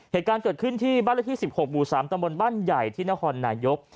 เหตุการณ์เกิดขึ้นที่บ้านละที่๑๖หมู่๓ตำบลบ้านใหญ่ที่นครนายก